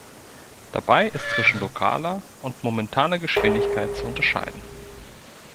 Dabei ist zwischen lokaler und momentaner Geschwindigkeit zu unterscheiden.